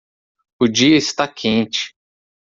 O dia está quente